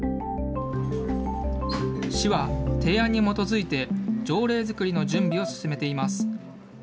市は提案に基づいて、条例作りの準備を進めています。